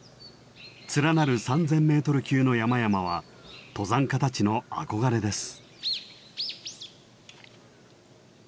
連なる３，０００ｍ級の山々は登山家たちの憧れです。